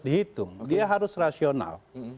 dihitung dia harus rasional